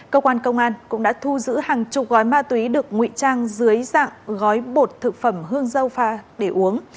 cơ quan công an cũng đã thu giữ hàng chục gói ma túy được ngụy trang dưới dạng gói bột thực phẩm hương dâu pha để uống